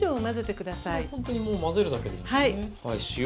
これはほんとにもう混ぜるだけでいいんですね。